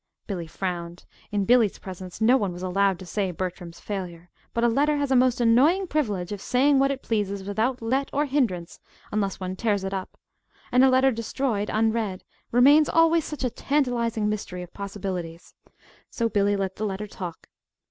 (Billy frowned. In Billy's presence no one was allowed to say "Bertram's failure"; but a letter has a most annoying privilege of saying what it pleases without let or hindrance, unless one tears it up and a letter destroyed unread remains always such a tantalizing mystery of possibilities! So Billy let the letter talk.)